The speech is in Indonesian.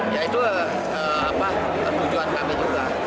yaitu perkunjuan naga juga